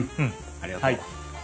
ありがとう。